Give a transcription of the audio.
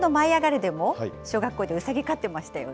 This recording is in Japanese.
でも小学校でウサギ飼ってましたよね。